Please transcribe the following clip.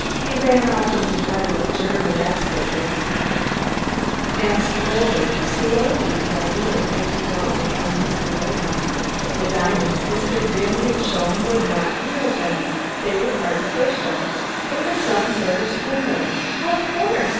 He ran off into guttural German expletives; and slowly, slowly the idea began to dawn upon Mr. Latham. The diamonds Mr. Wynne had shown were not real, then; they were artificial! It was some sort of a swindle! Of course!